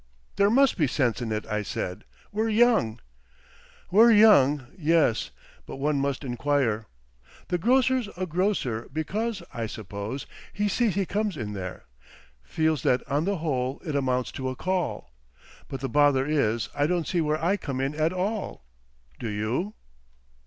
"There must be sense in it," I said. "We're young." "We're young—yes. But one must inquire. The grocer's a grocer because, I suppose, he sees he comes in there. Feels that on the whole it amounts to a call.... But the bother is I don't see where I come in at all. Do you?"